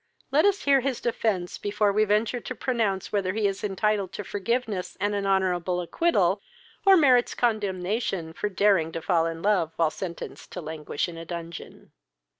Let us hear his defence before we venture to pronounce whether he is entitled to forgiveness and an honourable acquittal, or merits condemnation for daring to fall in love while sentenced to languish in a dungeon."